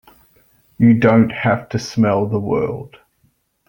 You don't have to smell the world!